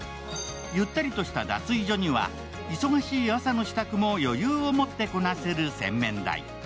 ゆったりとした脱衣所には忙しい朝の支度も余裕を持ってこなせる洗面台。